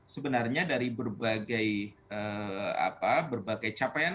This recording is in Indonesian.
sebenarnya dari berbagai capaian